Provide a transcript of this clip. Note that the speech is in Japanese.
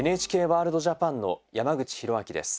「ＮＨＫワールドＪＡＰＡＮ」の山口寛明です。